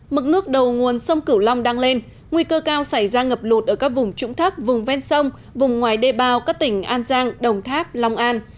mực nước đầu nguồn sông cửu long đang lên nguy cơ cao xảy ra ngập lụt ở các vùng trũng thấp vùng ven sông vùng ngoài đê bao các tỉnh an giang đồng tháp long an